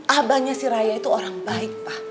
abahnya si raya itu orang baik pa